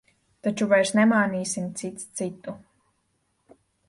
Taču vairs nemānīsim cits citu.